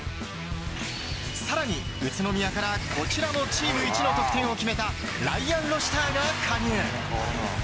更に、宇都宮からこちらもチームいちの得点を決めたライアン・ロシターが加入。